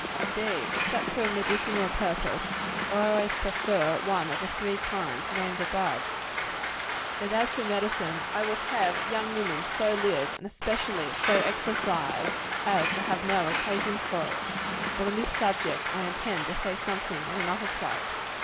Indeed, except for a medicinal purpose, I always prefer one of the three kinds named above. And as for medicine, I would have young women so live, and especially so exercise, as to have no occasion for it. But on this subject I intend to say something in another place.